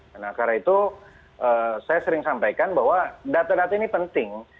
karena itu saya sering sampaikan bahwa data data ini penting